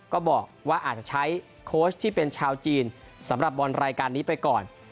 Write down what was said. ก็บอกว่าอาจจะใช้โค้ชที่เป็นชาวจีนสำหรับบอลรายการนี้ไปก่อน